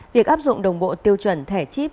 việc áp dụng đồng bộ tiêu chuẩn thẻ chip